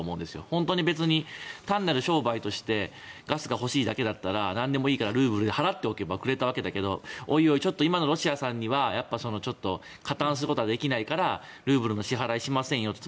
本当に単なる商売としてガスが欲しいだけだったらなんでもいいからルーブルで払っておけばくれたわけだけど今のロシアさんにはやっぱり加担することはできないからルーブルの支払いしませんよと。